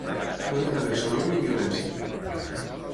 No hi ha d'haver soroll ni violència.